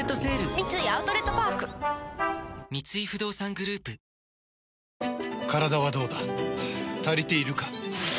三井アウトレットパーク三井不動産グループはぁはぁはぁ